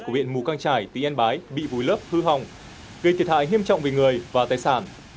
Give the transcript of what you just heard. của huyện mù căn trải tỉnh yên bái bị vùi lớp hư hỏng gây thiệt hại hiêm trọng về người và tài sản